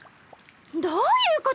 どういうことよ！